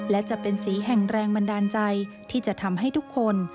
และจะเป็นสีแห่งแรงบันดาลใจที่จะทำให้ทุกคน